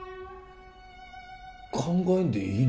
考えんでいいの？